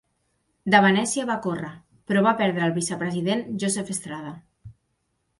De Venecia va córrer, però va perdre al vicepresident Joseph Estrada.